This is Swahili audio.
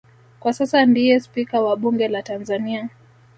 Kwa sasa ndiye Spika wa Bunge la Tanzania